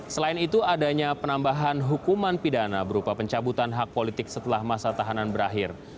selain itu adanya penambahan hukuman pidana berupa pencabutan hak politik setelah masa tahanan berakhir